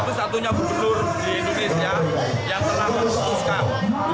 satu satunya gubernur di indonesia yang telah memutuskan